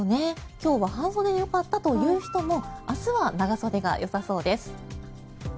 今日は半袖でよかったという人も明日は長袖がよさそうです。